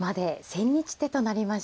千日手となりました。